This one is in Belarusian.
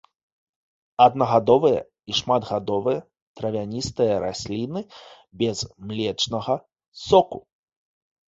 Аднагадовыя і шматгадовыя травяністыя расліны без млечнага соку.